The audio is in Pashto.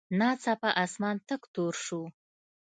ناڅاپه اسمان تک تور شو.